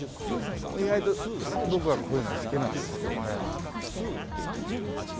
意外と僕はこういうの好きなんですけどね。